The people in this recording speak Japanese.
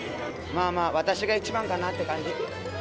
まあまあ、私が一番かなという感じ。